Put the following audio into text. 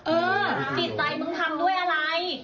เออจิตใจมึงทำด้วยอะไร